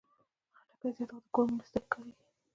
خټکی زیات وخت د کور مېلمستیا کې کارېږي.